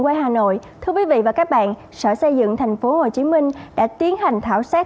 quý vị và các bạn sở xây dựng tp hcm đã tiến hành thảo sát